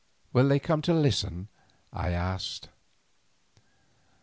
"Will they come to listen?" I asked.